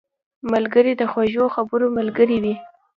ملګری د خوږو خبرو ملګری وي